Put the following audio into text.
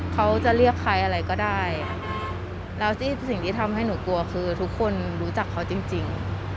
เขาจะเรียกใครอะไรก็ได้แล้วที่สิ่งที่ทำให้หนูกลัวคือทุกคนรู้จักเขาจริง